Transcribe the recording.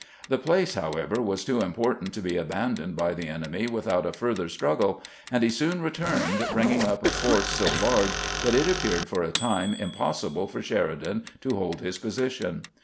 The place, however, was too important to be abandoned by the enemy with out a further struggle, and he soon returned, bringing up a force so large that it appeared for a time impossi ble for Sheridan to hold his position.